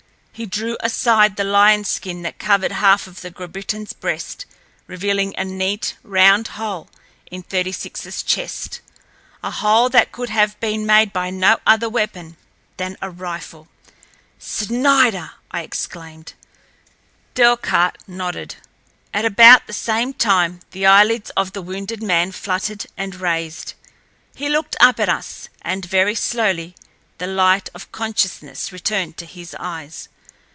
He drew aside the lionl's skin that covered half of the Grabritinl's breast, revealing a neat, round hole in Thirty sixl's chest—a hole that could have been made by no other weapon than a rifle. "Snider!" I exclaimed. Delcarte nodded. At about the same time the eyelids of the wounded man fluttered, and raised. He looked up at us, and very slowly the light of consciousness returned to his eyes.